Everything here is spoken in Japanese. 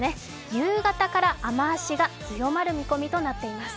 夕方から雨足が強まる見込みとなっています。